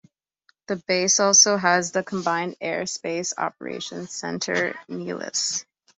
The base also has the Combined Air and Space Operations Center-Nellis.